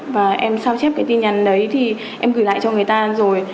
và em sao chép cái tin nhắn đấy thì em gửi lại cho người ta rồi